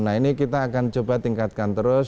nah ini kita akan coba tingkatkan terus